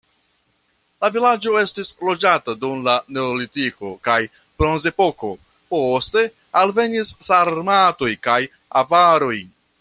La vilaĝo estis loĝata dum la neolitiko kaj bronzepoko, poste alvenis sarmatoj kaj avaroj.